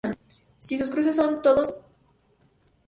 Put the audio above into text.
Si sus cruces son todos a otro nivel, se la llama autopista.